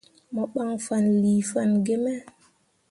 Mo ɓan fanlii fanne gi me.